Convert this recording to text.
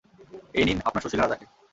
এই নিন আপনার সুশীলা রাজা কে।